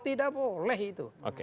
tidak boleh itu